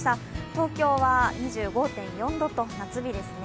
東京は２５．４度と、夏日ですね。